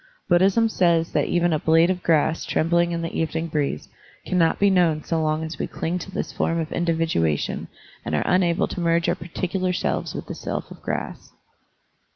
Buddhism says that even a blade of grass trembling in the even ing breeze cannot be known so long as we cling to this form of individuation and are unable to merge our particular selves with the self of grass.